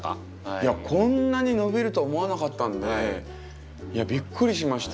いやこんなに伸びるとは思わなかったんでびっくりしました。